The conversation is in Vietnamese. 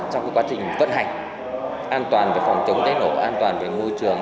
trong quá trình vận hành an toàn về phòng chống cháy nổ an toàn về môi trường